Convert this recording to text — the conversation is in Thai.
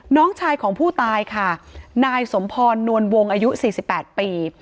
น้องชายของผู้ตายค่ะนายสมพรนวลวงอายุ๔๘ปี